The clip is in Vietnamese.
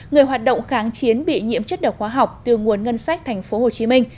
người hoạt động kháng chiến bị nhiễm chất độc khoa học từ nguồn ngân sách tp hcm